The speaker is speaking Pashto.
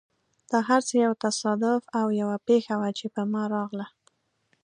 دا هر څه یو تصادف او یوه پېښه وه، چې په ما راغله.